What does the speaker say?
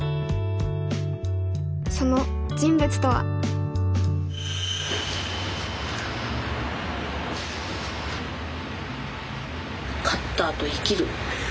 その人物とは「カッターと生きる」。